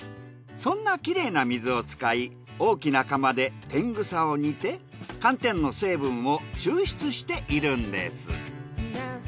そんなきれいな水を使い大きな釜でテングサを煮て寒天の成分を抽出しているんです。